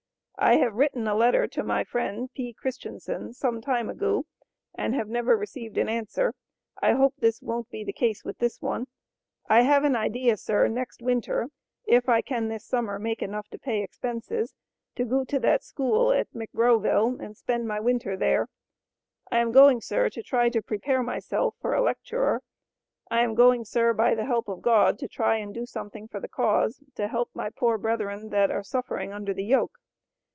I have Ritten a Letter to my Friend P. Christianson some time a goo & have never Received an Answer, I hope this wont Be the case with this one, I have an idea sir, next winter iff I can this summer make Enough to Pay Expenses, to goo to that school at McGrowville & spend my winter their. I am going sir to try to Prepair myself for a Lectuer, I am going sir By the Help of god to try and Do something for the Caus to help my Poor Breathern that are suffering under the yoke.